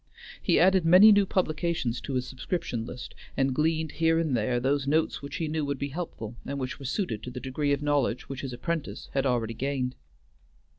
He added many new publications to his subscription list, and gleaned here and there those notes which he knew would be helpful, and which were suited to the degree of knowledge which his apprentice had already gained.